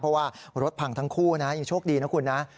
เพราะว่ารถพังทั้งคู่นะยังโชคดีนะคุณนะ